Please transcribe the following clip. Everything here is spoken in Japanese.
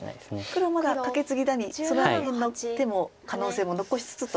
黒まだカケツギなりその辺りの手も可能性も残しつつと。